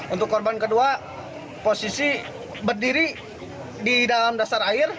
untuk korban kedua posisi berdiri di dalam dasar air